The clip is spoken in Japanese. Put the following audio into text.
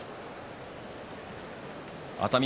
熱海